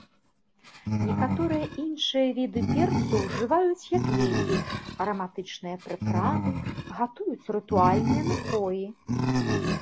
Некаторыя іншыя віды перцу ўжываюць як лекі, араматычныя прыправы, гатуюць рытуальныя напоі.